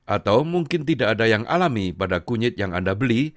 atau mungkin tidak ada yang alami pada kunyit yang anda beli